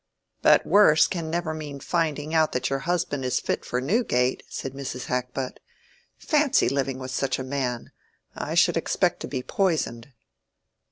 "But 'worse' can never mean finding out that your husband is fit for Newgate," said Mrs. Hackbutt. "Fancy living with such a man! I should expect to be poisoned."